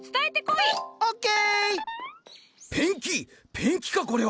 ペンキかこれは！